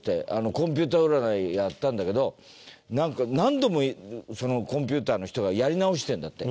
コンピューター占いやったんだけどなんか何度もそのコンピューターの人がやり直してるんだって。